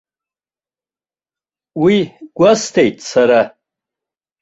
Уи гәасҭеит сара!